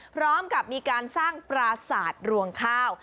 พร้อมกับมีการสร้างปราสาทรวงข้าว